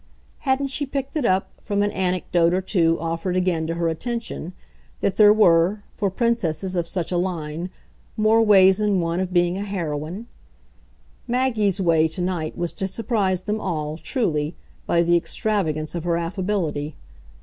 Hadn't she picked it up, from an anecdote or two offered again to her attention, that there were, for princesses of such a line, more ways than one of being a heroine? Maggie's way to night was to surprise them all, truly, by the extravagance of her affability.